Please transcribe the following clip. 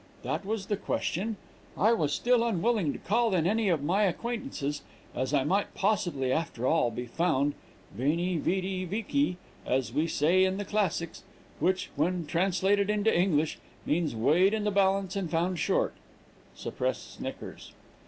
that was the question. I was still unwilling to call in any of my acquaintances, as I might possibly after all be found veni, vidi, vici, as we say in the classics, which, when translated into English, means weighed in the balance and found short (suppressed snickers).